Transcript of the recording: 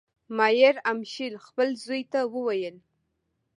مایر امشیل خپل زوی ته وویل.